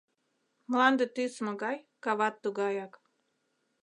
Мланде тӱс могай, кават тугаяк.